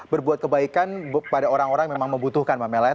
berbuat kebaikan pada orang orang yang memang membutuhkan mbak mel ya